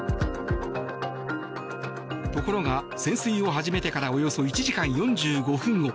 ところが、潜水を始めてからおよそ１時間４５分後。